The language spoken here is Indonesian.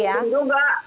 tidak perlu dihukum juga